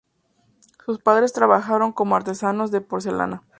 Sus padres trabajaron como artesanos de porcelana.